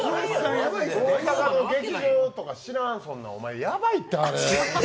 大阪の劇場とか知らんお前、やばいってあれ。